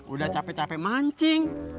udah capek capek mancing